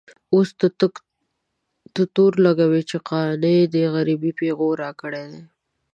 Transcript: اوس ته تور لګوې چې قانع د غريبۍ پېغور راکړی دی.